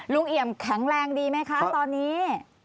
เอี่ยมแข็งแรงดีไหมคะตอนนี้